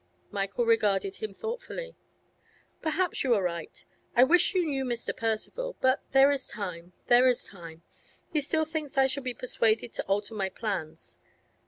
Michael regarded him thoughtfully. 'Perhaps you are right. I wish you knew Mr. Percival; but there is time, there is time. He still thinks I shall be persuaded to alter my plans.